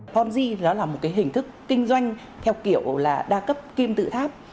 ponzi đó là một cái hình thức kinh doanh theo kiểu là đa cấp kim tự tháp